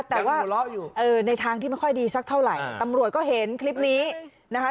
แต่ว่าในทางที่ไม่ค่อยดีสักเท่าไหร่ตำรวจก็เห็นคลิปนี้นะคะ